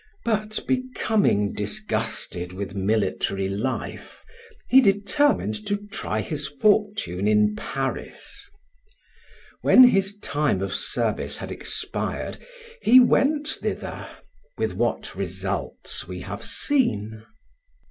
But becoming disgusted with military life, he determined to try his fortune in Paris. When his time of service had expired, he went thither, with what results we have seen.